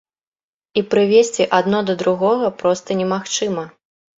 І прывесці адно да другога проста немагчыма.